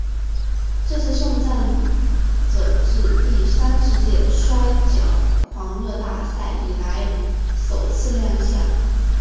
这是送葬者自第三十届摔角狂热大赛以来首次亮相。